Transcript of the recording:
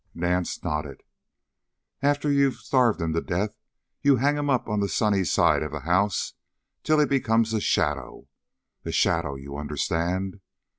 Nance nodded. "After you've starved him to death you hang him up on the sunny side of the house till he becomes a shadow. A shadow, you understand?